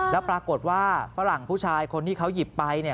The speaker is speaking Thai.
แล้วปรากฏว่าฝรั่งผู้ชายคนที่เขาหยิบไป